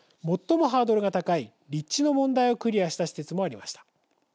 最もハードルが高い立地の問題をクリアした施設もありました。